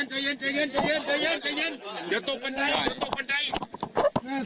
ถ้าหมอปลาไม่หลับ